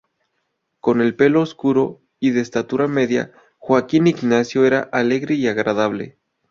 Con el pelo oscuro y de estatura media, Joaquín Ignacio era alegre y agradable.